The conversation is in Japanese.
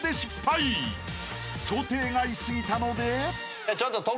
［想定外すぎたので］